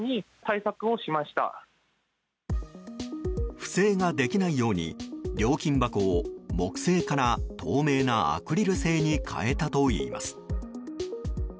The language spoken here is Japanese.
不正ができないように料金箱を木製から透明なアクリル製に変えたといいます。